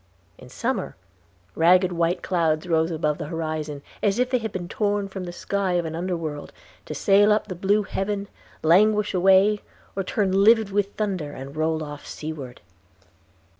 In summer ragged white clouds rose above the horizon, as if they had been torn from the sky of an underworld, to sail up the blue heaven, languish away, or turn livid with thunder, and roll off seaward.